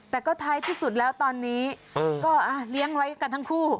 แต่ก็ท้ายที่สุดแล้วตอนนี้ก็เลี้ยงไว้กันทั้งคู่